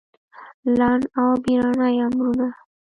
لنډ او بېړني امرونه